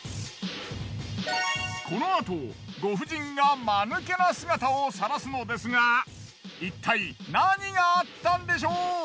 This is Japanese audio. このあとご婦人がマヌケな姿をさらすのですがいったい何があったんでしょう？